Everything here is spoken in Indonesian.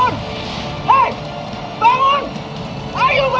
untuk menjadi tadi